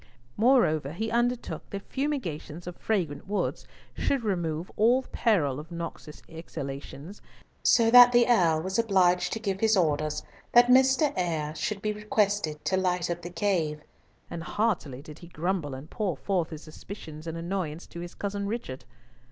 Moreover, he undertook that fumigations of fragrant woods should remove all peril of noxious exhalations, so that the Earl was obliged to give his orders that Mr. Eyre should be requested to light up the cave, and heartily did he grumble and pour forth his suspicions and annoyance to his cousin Richard.